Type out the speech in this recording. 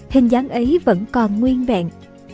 hình dáng ấy vẫn còn nguyên vẹn